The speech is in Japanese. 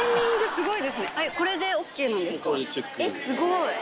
すごい！